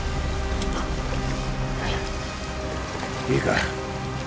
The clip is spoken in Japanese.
いいか？